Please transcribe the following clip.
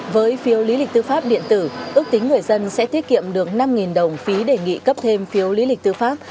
với phiếu lý lịch tư pháp điện tử ước tính người dân sẽ tiết kiệm được năm đồng phí đề nghị cấp thêm phiếu lý lịch tư pháp